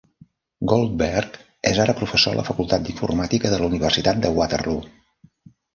Goldberg és ara professor a la facultat d'Informàtica de la Universitat de Waterloo.